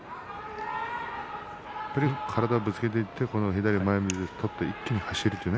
とにかく体をぶつけていって左前みつを取って一気に走る。